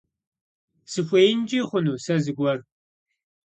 СыхуеинкӀи хъуну сэ зыгуэр?